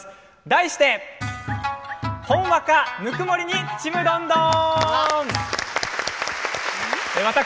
題して「ほんわかぬくもりに“ちむどんどん”」。